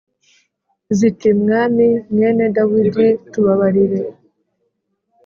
ziti “Mwami mwene Dawidi tubabarire.”